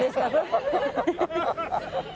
ハハハハッ。